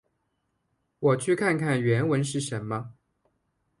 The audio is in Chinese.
我去看看原文是什么。